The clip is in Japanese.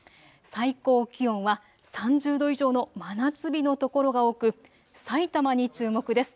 最高気温は３０度以上の真夏日の所が多く、さいたまに注目です。